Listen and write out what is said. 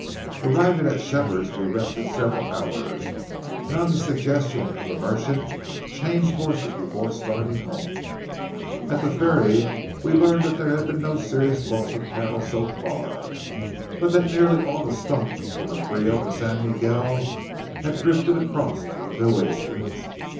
Arriving at Shepherd's, we rested several hours, and on the suggestion of the merchant changed horses before starting home. At the ferry we learned that there had been no serious loss of cattle so far, but that nearly all the stock from the Frio and San Miguel had drifted across to the Nueces.